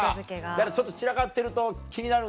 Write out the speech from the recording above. だからちょっと散らかってると気になるんだ。